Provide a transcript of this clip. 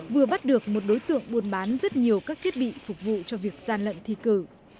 vừa bắt được một đối tượng buôn bán rất nhiều các thiết bị phục vụ cho việc gian lận thi cử